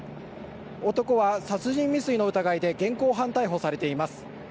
男は殺人未遂の疑いで現行犯逮捕されています。